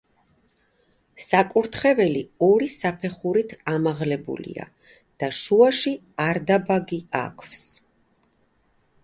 საკურთხეველი ორი საფეხურით ამაღლებულია და შუაში არდაბაგი აქვს.